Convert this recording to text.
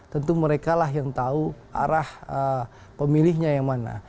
tentu mereka lah yang tahu arah pemilihnya yang mana